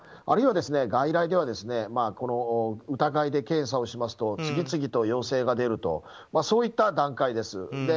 あるいは外来では疑いで検査をしますと次々と陽性が出るとそういった段階です。